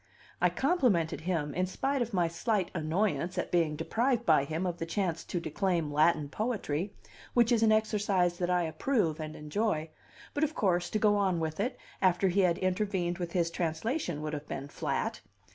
I complimented him, in spite of my slight annoyance at being deprived by him of the chance to declaim Latin poetry, which is an exercise that I approve and enjoy; but of course, to go on with it, after he had intervened with his translation, would have been flat.